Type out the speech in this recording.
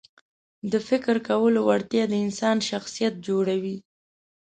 د فکر کولو وړتیا د انسان شخصیت جوړوي.